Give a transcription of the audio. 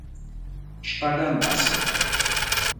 شپږم فصل